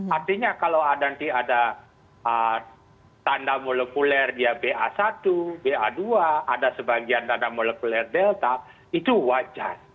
artinya kalau ada nanti ada tanda molekuler dia ba satu ba dua ada sebagian tanda molekuler delta itu wajar